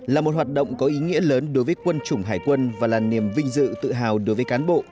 là một hoạt động có ý nghĩa lớn đối với quân chủng hải quân và là niềm vinh dự tự hào đối với cán bộ